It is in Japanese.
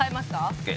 ＯＫ